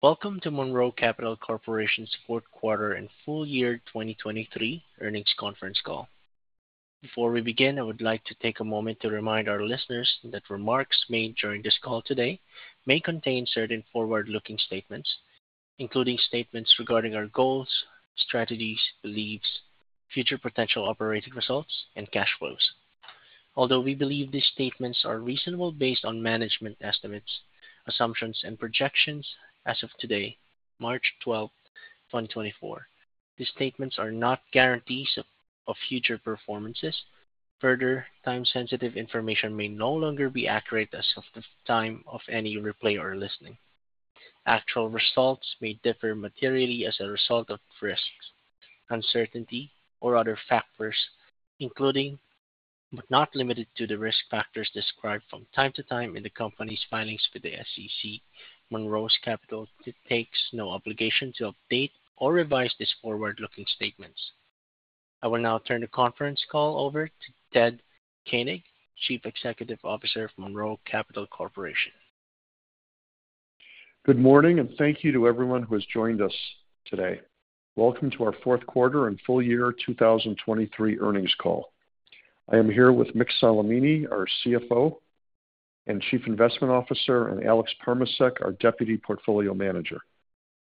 Welcome to Monroe Capital Corporation's fourth quarter and full year 2023 earnings conference call. Before we begin, I would like to take a moment to remind our listeners that remarks made during this call today may contain certain forward-looking statements, including statements regarding our goals, strategies, beliefs, future potential operating results, and cash flows. Although we believe these statements are reasonable based on management estimates, assumptions, and projections as of today, March 12, 2024, these statements are not guarantees of future performances. Further time-sensitive information may no longer be accurate as of the time of any replay or listening. Actual results may differ materially as a result of risks, uncertainty, or other factors, including, but not limited to, the risk factors described from time to time in the company's filings with the SEC. Monroe Capital takes no obligation to update or revise these forward-looking statements. I will now turn the conference call over to Ted Koenig, Chief Executive Officer of Monroe Capital Corporation. Good morning, and thank you to everyone who has joined us today. Welcome to our fourth quarter and full year 2023 earnings call. I am here with Mick Solimene, our CFO and Chief Investment Officer, and Alex Parmacek, our Deputy Portfolio Manager.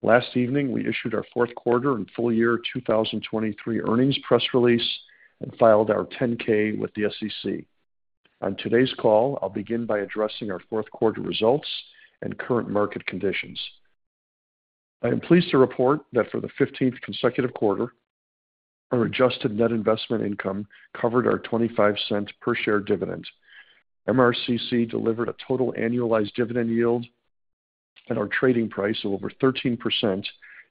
Last evening, we issued our fourth quarter and full year 2023 earnings press release and filed our 10-K with the SEC. On today's call, I'll begin by addressing our fourth quarter results and current market conditions. I am pleased to report that for the 15th consecutive quarter, our adjusted net investment income covered our $0.25 per share dividend. MRCC delivered a total annualized dividend yield and our trading price of over 13%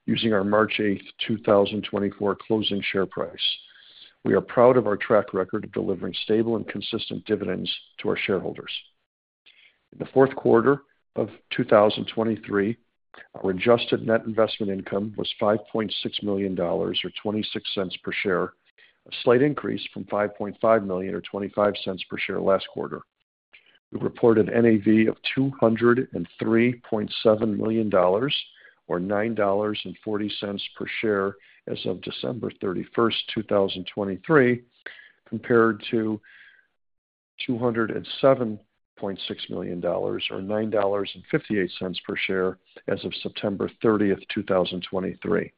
using our March 8, 2024, closing share price. We are proud of our track record of delivering stable and consistent dividends to our shareholders. In the fourth quarter of 2023, our Adjusted Net Investment Income was $5.6 million or $0.26 per share, a slight increase from $5.5 million or $0.25 per share last quarter. We reported NAV of $203.7 million or $9.40 per share as of December 31, 2023, compared to $207.6 million or $9.58 per share as of September 30, 2023.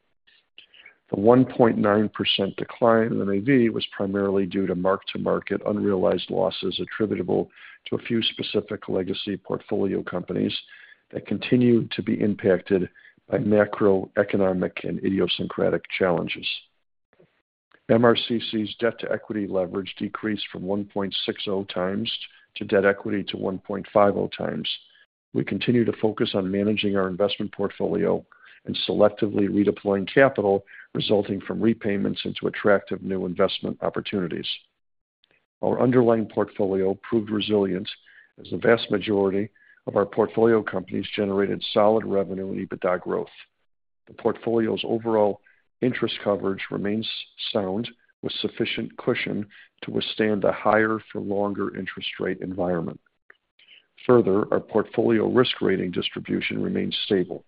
The 1.9% decline in NAV was primarily due to mark-to-market unrealized losses attributable to a few specific legacy portfolio companies that continue to be impacted by macroeconomic and idiosyncratic challenges. MRCC's debt-to-equity leverage decreased from 1.60 times debt-to-equity to 1.50 times. We continue to focus on managing our investment portfolio and selectively redeploying capital resulting from repayments into attractive new investment opportunities. Our underlying portfolio proved resilient as the vast majority of our portfolio companies generated solid revenue and EBITDA growth. The portfolio's overall interest coverage remains sound with sufficient cushion to withstand the higher-for-longer interest rate environment. Further, our portfolio risk rating distribution remains stable.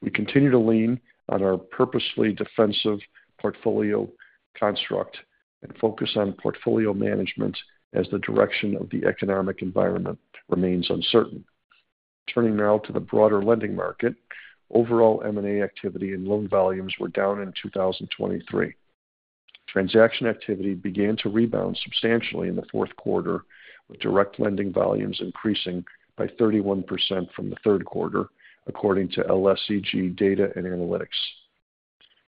We continue to lean on our purposely defensive portfolio construct and focus on portfolio management as the direction of the economic environment remains uncertain. Turning now to the broader lending market, overall M&A activity and loan volumes were down in 2023. Transaction activity began to rebound substantially in the fourth quarter, with direct lending volumes increasing by 31% from the third quarter, according to LSEG Data & Analytics.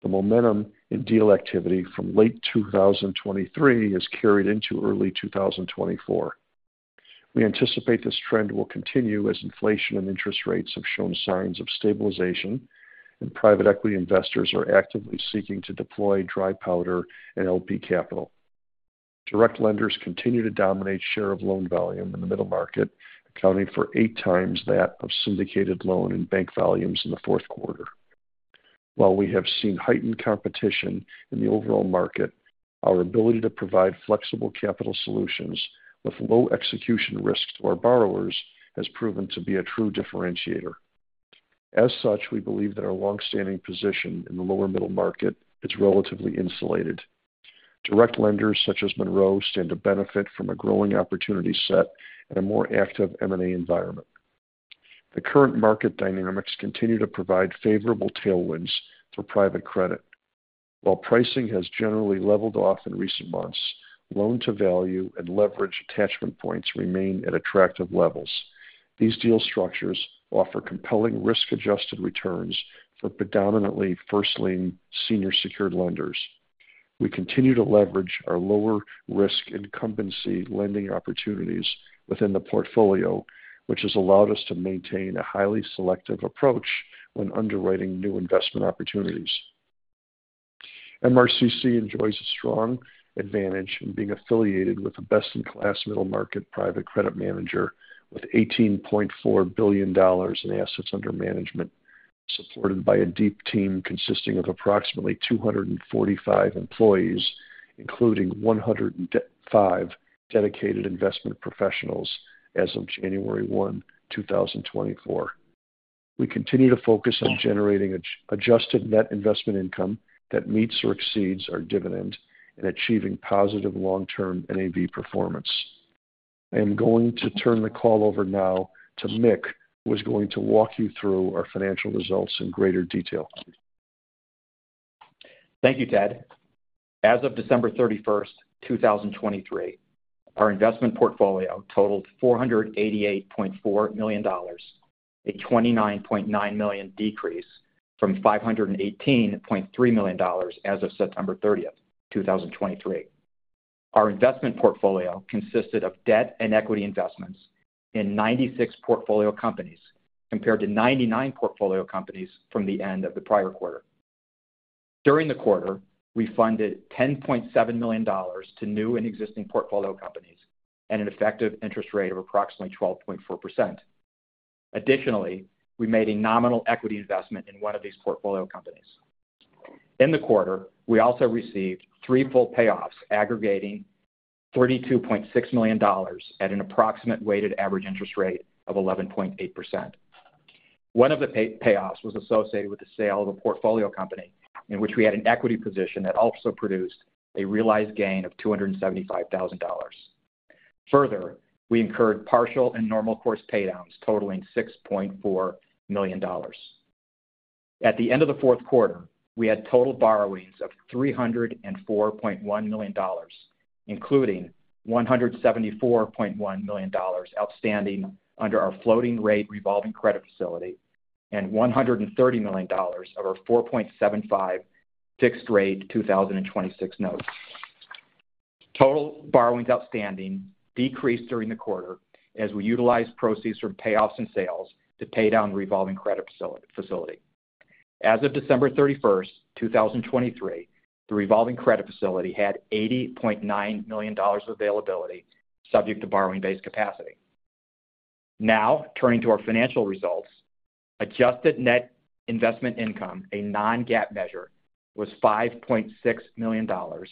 The momentum in deal activity from late 2023 has carried into early 2024. We anticipate this trend will continue as inflation and interest rates have shown signs of stabilization, and private equity investors are actively seeking to deploy dry powder and LP capital. Direct lenders continue to dominate share of loan volume in the middle market, accounting for 8 times that of syndicated loan and bank volumes in the fourth quarter. While we have seen heightened competition in the overall market, our ability to provide flexible capital solutions with low execution risk to our borrowers has proven to be a true differentiator. As such, we believe that our longstanding position in the lower middle market is relatively insulated. Direct lenders such as Monroe stand to benefit from a growing opportunity set and a more active M&A environment. The current market dynamics continue to provide favorable tailwinds for private credit. While pricing has generally leveled off in recent months, loan-to-value and leverage attachment points remain at attractive levels. These deal structures offer compelling risk-adjusted returns for predominantly first-lien, senior-secured lenders. We continue to leverage our lower-risk incumbency lending opportunities within the portfolio, which has allowed us to maintain a highly selective approach when underwriting new investment opportunities. MRCC enjoys a strong advantage in being affiliated with a best-in-class middle market private credit manager with $18.4 billion in assets under management, supported by a deep team consisting of approximately 245 employees, including 105 dedicated investment professionals as of January 1, 2024. We continue to focus on generating Adjusted Net Investment Income that meets or exceeds our dividend and achieving positive long-term NAV performance. I am going to turn the call over now to Mick, who is going to walk you through our financial results in greater detail. Thank you, Ted. As of December 31, 2023, our investment portfolio totaled $488.4 million, a $29.9 million decrease from $518.3 million as of September 30, 2023. Our investment portfolio consisted of debt and equity investments in 96 portfolio companies compared to 99 portfolio companies from the end of the prior quarter. During the quarter, we funded $10.7 million to new and existing portfolio companies at an effective interest rate of approximately 12.4%. Additionally, we made a nominal equity investment in one of these portfolio companies. In the quarter, we also received three full payoffs aggregating $32.6 million at an approximate weighted average interest rate of 11.8%. One of the payoffs was associated with the sale of a portfolio company in which we had an equity position that also produced a realized gain of $275,000. Further, we incurred partial and normal course paydowns totaling $6.4 million. At the end of the fourth quarter, we had total borrowings of $304.1 million, including $174.1 million outstanding under our floating-rate revolving credit facility and $130 million of our 4.75 fixed-rate 2026 notes. Total borrowings outstanding decreased during the quarter as we utilized proceeds from payoffs and sales to pay down the revolving credit facility. As of December 31, 2023, the revolving credit facility had $80.9 million of availability subject to borrowing base capacity. Now, turning to our financial results, adjusted net investment income, a non-GAAP measure, was $5.6 million or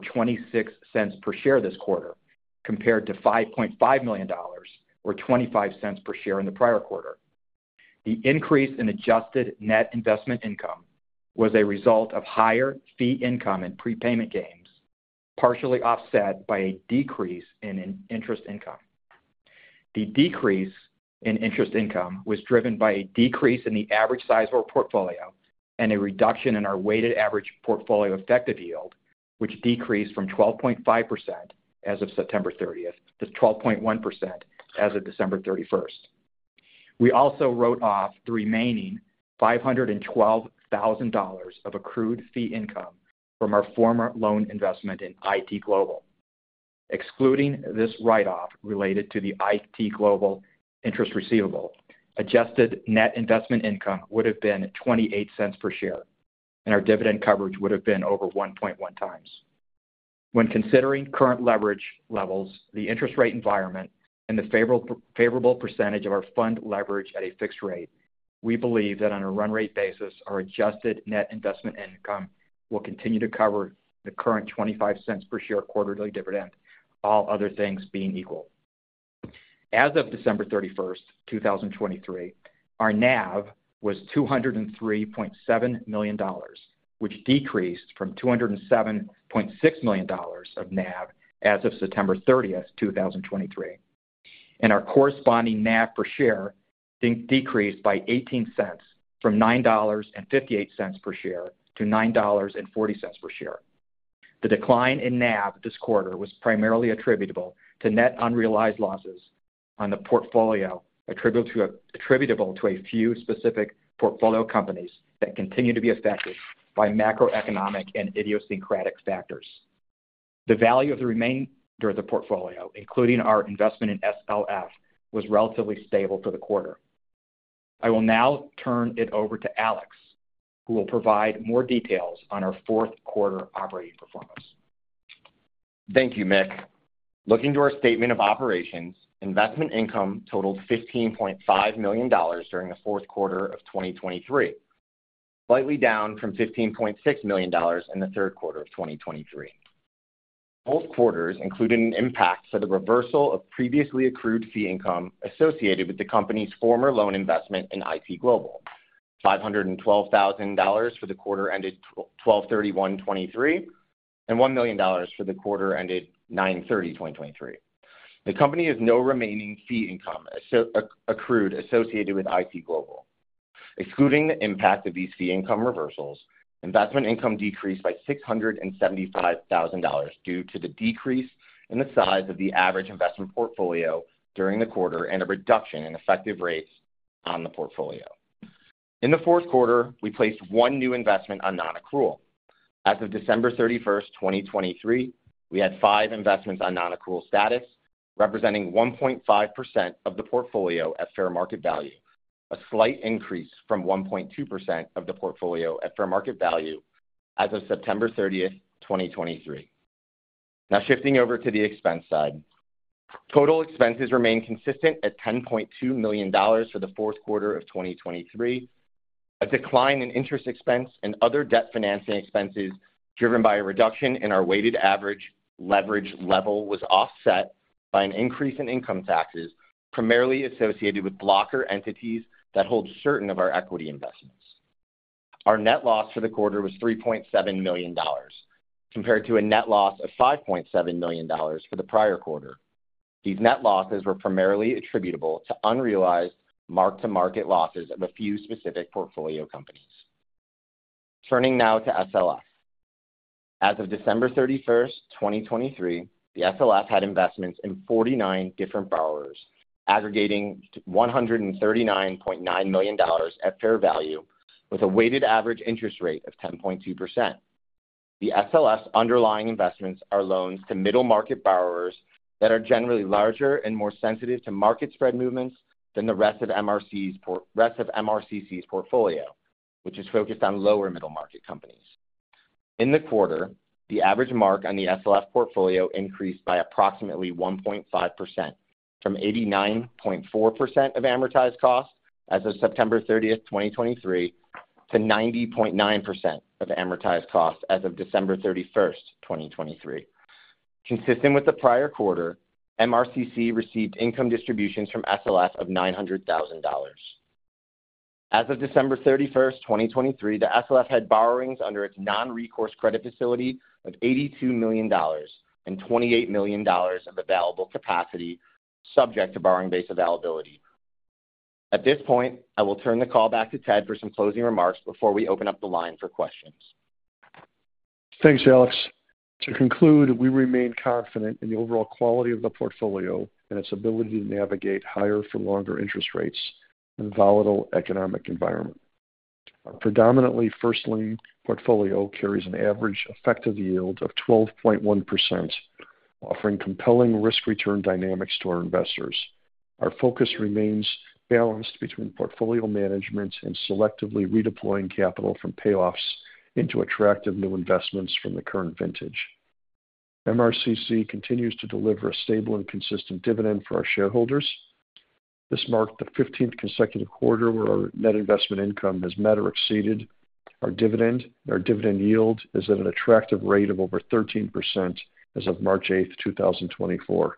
$0.26 per share this quarter, compared to $5.5 million or $0.25 per share in the prior quarter. The increase in adjusted net investment income was a result of higher fee income and prepayment gains, partially offset by a decrease in interest income. The decrease in interest income was driven by a decrease in the average size of our portfolio and a reduction in our weighted average portfolio effective yield, which decreased from 12.5% as of September 30 to 12.1% as of December 31. We also wrote off the remaining $512,000 of accrued fee income from our former loan investment in IT Global. Excluding this write-off related to the IT Global interest receivable, adjusted net investment income would have been $0.28 per share, and our dividend coverage would have been over 1.1 times. When considering current leverage levels, the interest rate environment, and the favorable percentage of our fund leverage at a fixed rate, we believe that on a run-rate basis, our adjusted net investment income will continue to cover the current $0.25 per share quarterly dividend, all other things being equal. As of December 31, 2023, our NAV was $203.7 million, which decreased from $207.6 million of NAV as of September 30, 2023, and our corresponding NAV per share decreased by $0.18 from $9.58 per share to $9.40 per share. The decline in NAV this quarter was primarily attributable to net unrealized losses on the portfolio attributable to a few specific portfolio companies that continue to be affected by macroeconomic and idiosyncratic factors. The value of the remainder of the portfolio, including our investment in SLF, was relatively stable for the quarter. I will now turn it over to Alex, who will provide more details on our fourth quarter operating performance. Thank you, Mick. Looking to our statement of operations, investment income totaled $15.5 million during the fourth quarter of 2023, slightly down from $15.6 million in the third quarter of 2023. Both quarters included an impact for the reversal of previously accrued fee income associated with the company's former loan investment in IT Global, $512,000 for the quarter ended 12/31/2023 and $1 million for the quarter ended 09/30/2023. The company has no remaining fee income accrued associated with IT Global. Excluding the impact of these fee income reversals, investment income decreased by $675,000 due to the decrease in the size of the average investment portfolio during the quarter and a reduction in effective rates on the portfolio. In the fourth quarter, we placed one new investment on non-accrual. As of December 31, 2023, we had five investments on non-accrual status, representing 1.5% of the portfolio at fair market value, a slight increase from 1.2% of the portfolio at fair market value as of September 30, 2023. Now, shifting over to the expense side, total expenses remain consistent at $10.2 million for the fourth quarter of 2023. A decline in interest expense and other debt financing expenses driven by a reduction in our weighted average leverage level was offset by an increase in income taxes primarily associated with blocker entities that hold certain of our equity investments. Our net loss for the quarter was $3.7 million, compared to a net loss of $5.7 million for the prior quarter. These net losses were primarily attributable to unrealized mark-to-market losses of a few specific portfolio companies. Turning now to SLF. As of December 31, 2023, the SLF had investments in 49 different borrowers, aggregating $139.9 million at fair value with a weighted average interest rate of 10.2%. The SLF's underlying investments are loans to middle market borrowers that are generally larger and more sensitive to market spread movements than the rest of MRCC's portfolio, which is focused on lower middle market companies. In the quarter, the average mark on the SLF portfolio increased by approximately 1.5% from 89.4% of amortized cost as of September 30, 2023, to 90.9% of amortized cost as of December 31, 2023. Consistent with the prior quarter, MRCC received income distributions from SLF of $900,000. As of December 31, 2023, the SLF had borrowings under its non-recourse credit facility of $82 million and $28 million of available capacity subject to borrowing-based availability. At this point, I will turn the call back to Ted for some closing remarks before we open up the line for questions. Thanks, Alex. To conclude, we remain confident in the overall quality of the portfolio and its ability to navigate higher-for-longer interest rates in a volatile economic environment. Our predominantly first lien portfolio carries an average effective yield of 12.1%, offering compelling risk-return dynamics to our investors. Our focus remains balanced between portfolio management and selectively redeploying capital from payoffs into attractive new investments from the current vintage. MRCC continues to deliver a stable and consistent dividend for our shareholders. This marked the 15th consecutive quarter where our net investment income has met or exceeded our dividend, and our dividend yield is at an attractive rate of over 13% as of March 8, 2024.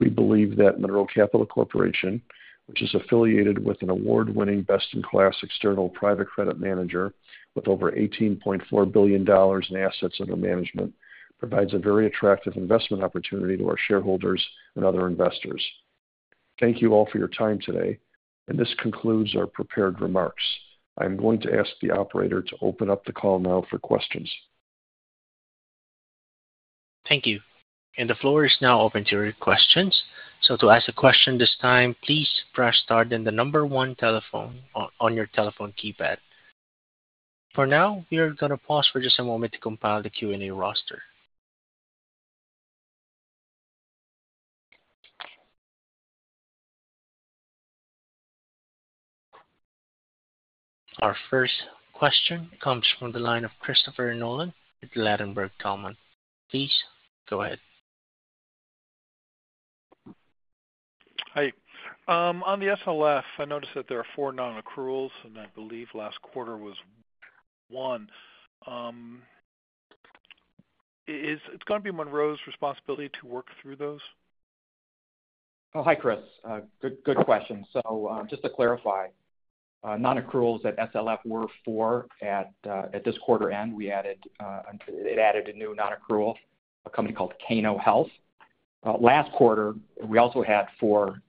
We believe that Monroe Capital Corporation, which is affiliated with an award-winning best-in-class external private credit manager with over $18.4 billion in assets under management, provides a very attractive investment opportunity to our shareholders and other investors. Thank you all for your time today, and this concludes our prepared remarks. I am going to ask the operator to open up the call now for questions. Thank you. The floor is now open to your questions. So to ask a question this time, please press star one on your telephone keypad. For now, we are going to pause for just a moment to compile the Q&A roster. Our first question comes from the line of Christopher Nolan at Ladenburg Thalmann. Please go ahead. Hi. On the SLF, I noticed that there are 4 non-accruals, and I believe last quarter was one. Is it going to be Monroe's responsibility to work through those? Oh, hi, Chris. Good question. So just to clarify, non-accruals at SLF were four. At this quarter end, it added a new non-accrual, a company called Cano Health. Last quarter, we also had four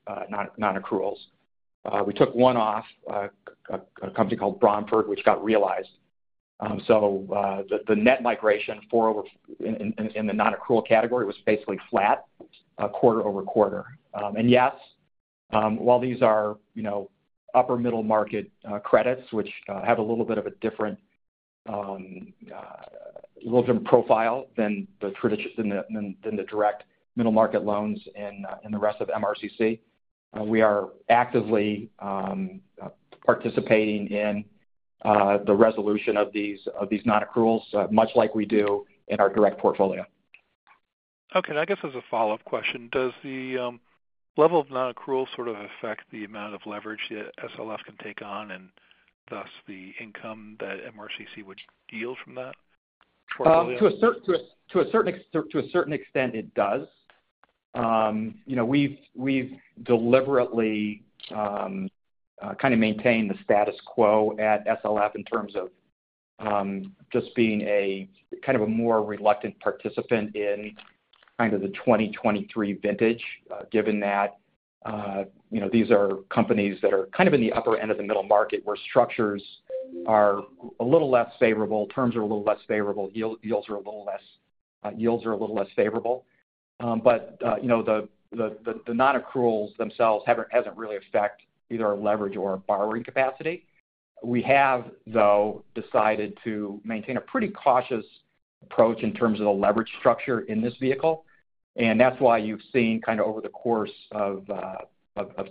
non-accruals. We took one off, a company called Rockford, which got realized. So the net migration in the non-accrual category was basically flat quarter-over-quarter. And yes, while these are upper-middle market credits, which have a little bit of a different profile than the direct middle market loans in the rest of MRCC, we are actively participating in the resolution of these non-accruals much like we do in our direct portfolio. Okay. And I guess as a follow-up question, does the level of non-accrual sort of affect the amount of leverage the SLF can take on and thus the income that MRCC would yield from that portfolio? To a certain extent, it does. We've deliberately kind of maintained the status quo at SLF in terms of just being kind of a more reluctant participant in kind of the 2023 vintage, given that these are companies that are kind of in the upper end of the middle market where structures are a little less favorable, terms are a little less favorable, yields are a little less favorable. But the non-accruals themselves haven't really affected either our leverage or our borrowing capacity. We have, though, decided to maintain a pretty cautious approach in terms of the leverage structure in this vehicle. That's why you've seen kind of over the course of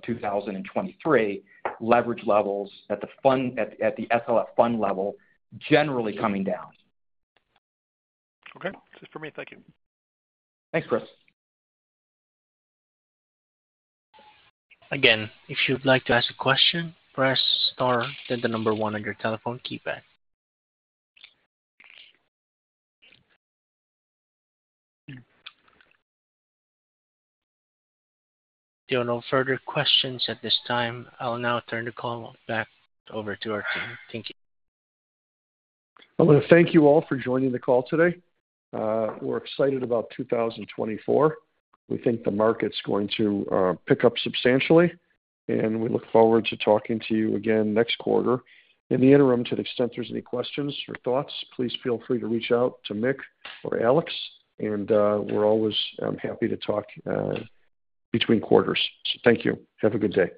2023 leverage levels at the SLF fund level generally coming down. Okay. That's it from me. Thank you. Thanks, Chris. Again, if you'd like to ask a question, press star one on your telephone keypad. If there are no further questions at this time, I'll now turn the call back over to our team. Thank you. I want to thank you all for joining the call today. We're excited about 2024. We think the market's going to pick up substantially, and we look forward to talking to you again next quarter. In the interim, to the extent there's any questions or thoughts, please feel free to reach out to Mick or Alex, and we're always happy to talk between quarters. Thank you. Have a good day.